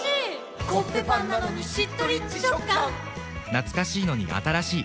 懐かしいのに新しい。